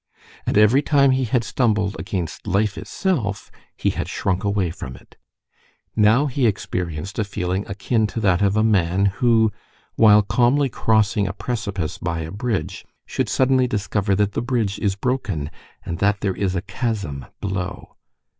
And every time he had stumbled against life itself he had shrunk away from it. Now he experienced a feeling akin to that of a man who, while calmly crossing a precipice by a bridge, should suddenly discover that the bridge is broken, and that there is a chasm below.